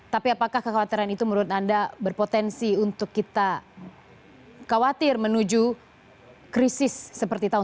tapi apakah kekhawatiran itu menurut anda berpotensi untuk kita khawatir menuju krisis seperti tahun seribu sembilan ratus sembilan puluh delapan